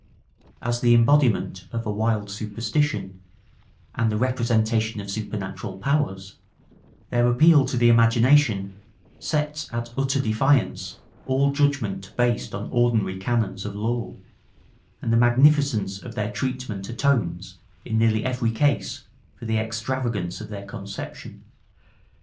As the embodiment of a wild superstition, and the representation of supernatural powers, their appeal to the imagination sets at utter defiance all judgment based on ordinary canons of law; and the magnificence of their treatment atones, in nearly every case, for the extravagance of their conception.